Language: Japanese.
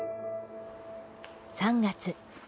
３月。